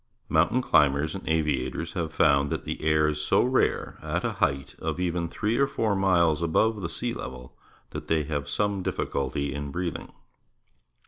Mountain climbers and aviators have found that the air is so rare at a height of even three or four miles above the sea level that they have some difficulty in breathing.